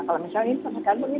kalau misalnya ini